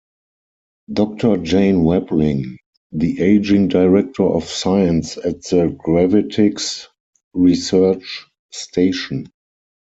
Doctor Jane Webling: The aging Director of Science at the Gravitics Research Station.